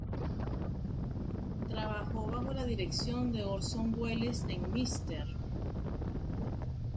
Trabajó bajo la dirección de Orson Welles en "Mr.